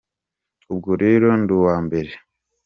ubwo rero nduwambere